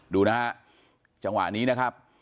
ดูนะฮะจังหวะนี้นะครับ